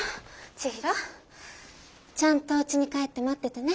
ちひろちゃんとおうちに帰って待っててね。